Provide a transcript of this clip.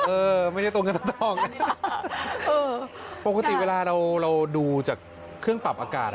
เออไม่ได้ตัวเงินต้องปกติเวลาเราดูจากเครื่องปรับอากาศ